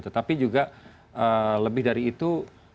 tetapi juga lebih dari itu